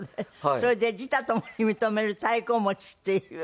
それで自他共に認める太鼓持ちっていう。